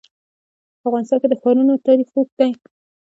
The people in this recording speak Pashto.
په افغانستان کې د ښارونه تاریخ اوږد دی.